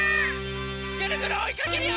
ぐるぐるおいかけるよ！